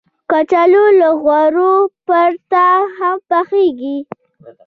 کچالو له غوړو پرته هم پخېږي